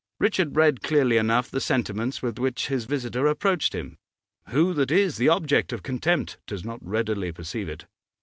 Richard read clearly enough the sentiments with which his visitor approached him; who that is the object of contempt does not readily perceive it?